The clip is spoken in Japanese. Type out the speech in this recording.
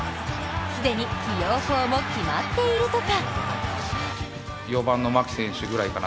既に起用法も決まっているとか？